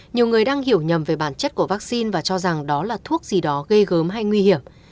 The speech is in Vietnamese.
nhiều người đang hiểu nhầm về bản chất của vaccine và cho rằng đó là thuốc gì đó gây gớm hay nguy hiểm